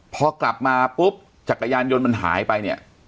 พอกลับมาปุ๊บจักรยานยนต์มันหายไปเนี่ย